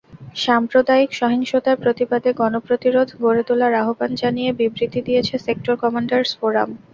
সাম্প্রদায়িক সহিংসতার প্রতিবাদে গণপ্রতিরোধ গড়ে তোলার আহ্বান জানিয়ে বিবৃতি দিয়েছে সেক্টর কমান্ডারস ফোরাম।